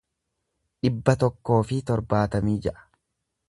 dhibba tokkoo fi torbaatamii ja'a